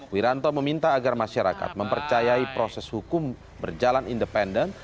wiranto meminta agar masyarakat mempercayai proses hukum berjalan independen